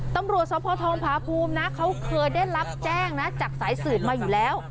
ตำรวจสภทองพาภูมินะเขาเคยได้รับแจ้งนะจากสายสืบมาอยู่แล้ว